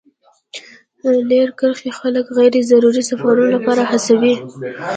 رېل کرښې خلک غیر ضروري سفرونو لپاره هڅوي.